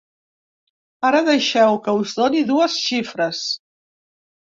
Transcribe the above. Ara deixeu que us doni dues xifres.